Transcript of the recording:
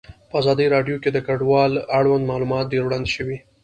په ازادي راډیو کې د کډوال اړوند معلومات ډېر وړاندې شوي.